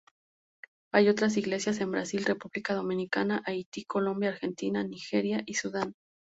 Hay otras iglesias en Brasil, República Dominicana, Haiti, Colombia, Argentina, Nigeria y Sudán.